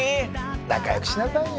仲よくしなさいよ。